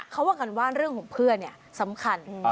เขาว่ากันว่าเรื่องของเพื่อนเนี่ยสำคัญ